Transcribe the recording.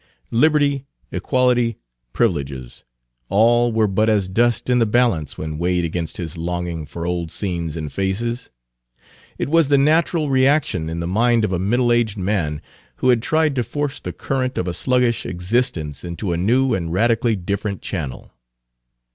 Liberty, equality, privileges, all were but as dust in the balance when weighed against his longing for old scenes and faces. It was the natural reaction in the mind of a middle aged man who had tried to force the current of a sluggish existence into a new and radically different channel.